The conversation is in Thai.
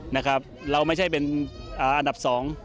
นะครับเราไม่ใช่เป็นอันดับสอง